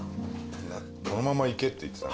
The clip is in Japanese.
このままいけって言ってた。